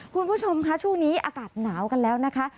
คุณผู้ชมค่ะช่วงนี้อากาศหนาวกันแล้วนะคะ